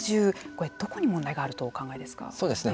これはどこに問題があるとお考えですか。